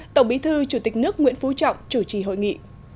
tổng bí thư chủ tịch nước nguyễn phú trọng chủ trì hội nghị